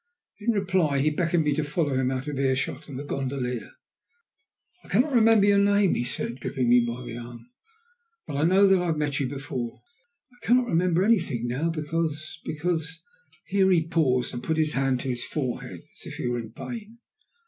In reply he beckoned to me to follow him out of earshot of the gondolier. "I cannot remember your name," he said, gripping me by the arm, "but I know that I have met you before. I cannot remember anything now because because " Here he paused and put his hand to his forehead as if he were in pain.